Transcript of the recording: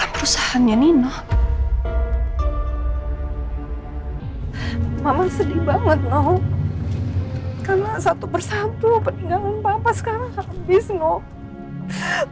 perhidangan papa sekarang habis noh